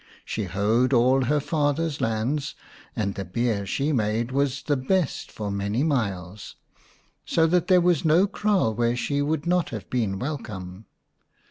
She hoed all her father's lands, and the beer she made was the best for many miles, so that there was no kraal where she would not have been welcome.